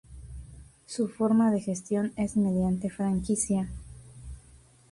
Su forma de gestión es mediante franquicia.